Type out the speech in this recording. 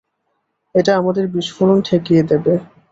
এটা আমাদের বিস্ফোরণ ঠেকিয়ে দেবে।